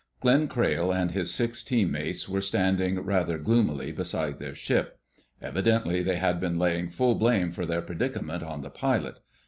Glenn Crayle and his six team mates were standing rather gloomily beside their ship. Evidently they had been laying full blame for their predicament on the pilot.